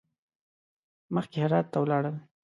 مخکې هرات ته ولاړل.